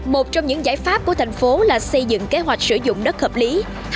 một trong những giải pháp của thành phố là xây dựng kế hoạch sử dụng đất hợp lý